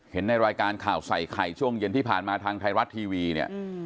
ในรายการข่าวใส่ไข่ช่วงเย็นที่ผ่านมาทางไทยรัฐทีวีเนี่ย